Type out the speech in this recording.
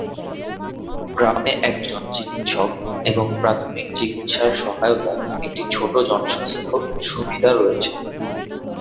গ্রামে একজন চিকিৎসক এবং প্রাথমিক চিকিৎসার সহায়তায় একটি ছোট জনস্বাস্থ্য সুবিধা রয়েছে।